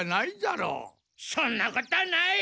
そんなことはない！